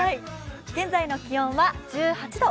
現在の気温は１８度。